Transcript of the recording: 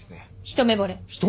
一目ぼれ！？